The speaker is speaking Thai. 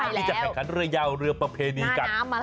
ที่จะแข่งขันเรือยาวเรือประเพณีกัน